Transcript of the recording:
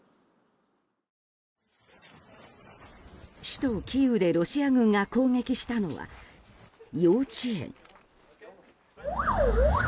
首都キーウでロシア軍が攻撃したのは幼稚園。